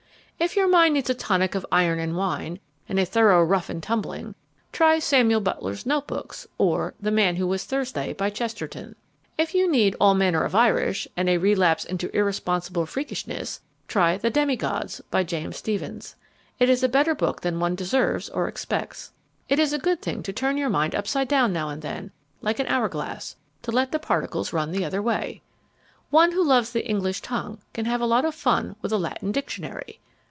If your mind needs a tonic of iron and wine, and a thorough rough and tumbling, try Samuel Butler's "Notebooks" or "The Man Who Was Thursday," by Chesterton. If you need "all manner of Irish," and a relapse into irresponsible freakishness, try "The Demi Gods," by James Stephens. It is a better book than one deserves or expects. It's a good thing to turn your mind upside down now and then, like an hour glass, to let the particles run the other way. One who loves the English tongue can have a lot of fun with a Latin dictionary.